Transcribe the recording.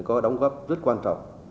có đóng góp rất quan trọng